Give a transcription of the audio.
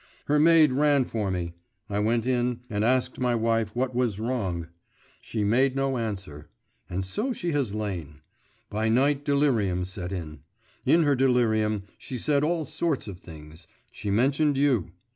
Her maid ran for me. I went in, and asked my wife what was wrong. She made no answer, and so she has lain; by night delirium set in. In her delirium she said all sorts of things; she mentioned you.